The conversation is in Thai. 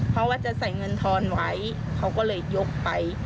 เพราะว่าจะใส่เงินทอนไว้เขาก็เลยยกไป